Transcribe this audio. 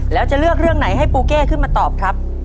แล้วจะเลือกเรื่องไหนให้ปูเก้ขึ้นมาตอบครับ